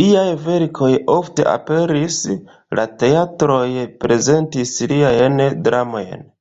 Liaj verkoj ofte aperis, la teatroj prezentis liajn dramojn.